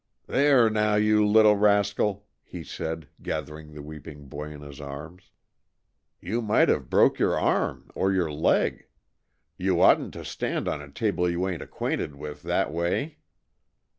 "There, now, you little rascal!" he said, gathering the weeping boy in his arms. "You might have broke your arm, or your leg. You oughtn't to stand on a table you ain't acquainted with, that way."